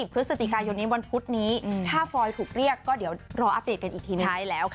พฤศจิกายนนี้วันพุธนี้ถ้าฟอยถูกเรียกก็เดี๋ยวรออัปเดตกันอีกทีนึง